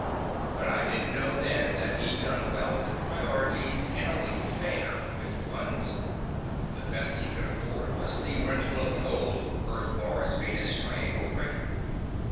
But I didn't know then that he'd done well with priorities and only fair with funds. The best he could afford was the rental of the old Earth Mars Venus triangle freighter.